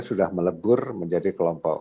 sudah melebur menjadi kelompok